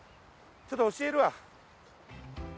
ょっと教えるわ。